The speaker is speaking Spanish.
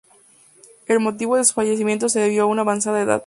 El motivo de su fallecimiento se debió a su avanzada edad.